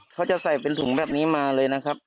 เขาจะใส่เป็นถุงแบบนี้มาเลยนะครับ